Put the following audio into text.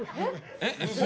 えっ？